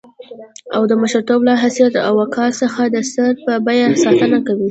او د مشرتوب له حيثيت او وقار څخه د سر په بيه ساتنه کوي.